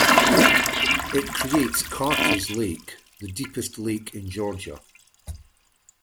It creates Carters Lake, the deepest lake in Georgia.